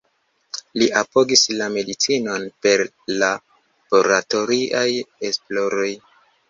Li apogis la medicinon per laboratoriaj esploroj.